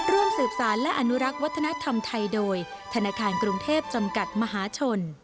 ร่วมสืบสารและอนุรักษ์วัฒนธรรมไทยโดยธนาคารกรุงเทพจำกัดมหาชน